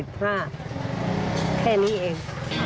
แค่นี้เอง